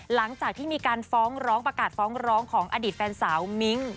หลังจากที่มีการฟ้องร้องประกาศฟ้องร้องของอดีตแฟนสาวมิ้ง